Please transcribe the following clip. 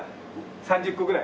３０個ぐらい？